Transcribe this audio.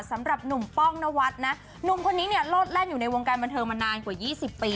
สำหรับหนุ่มป้องนวัดนะหนุ่มคนนี้เนี่ยโลดแล่นอยู่ในวงการบันเทิงมานานกว่า๒๐ปี